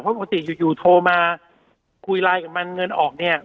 เพราะปกติอยู่โทรมาคุยไลน์กับมันเงินออกเนี่ย